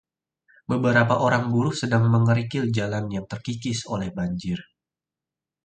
beberapa orang buruh sedang mengerikil jalan yang terkikis oleh banjir